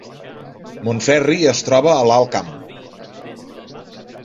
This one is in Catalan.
Montferri es troba a l’Alt Camp